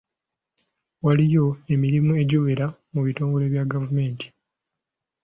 Waliyo emirimu egiwera mu bitongole bya gavumenti.